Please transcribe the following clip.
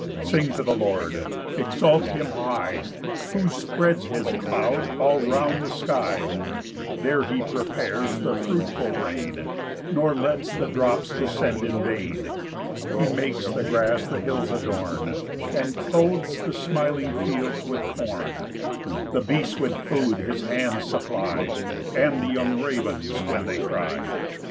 PAUSE. 5 Sing to the Lord, exalt him high, Who spreads his cloud all round the sky, There he prepares the fruitful rain, Nor lets the drops descend in vain. 6 He makes the grass the hills adorn, And clothes the smiling fields with corn, The beasts with food his hands supply, And the young ravens when they cry.